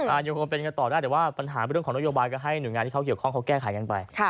ยังคงเป็นกันต่อได้แต่ว่าปัญหาเรื่องของนโยบายก็ให้หน่วยงานที่เขาเกี่ยวข้องเขาแก้ไขกันไป